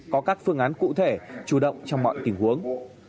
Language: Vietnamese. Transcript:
có các phương án cụ thể chủ động trong mọi tình huống